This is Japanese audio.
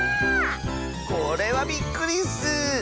これはびっくりッス！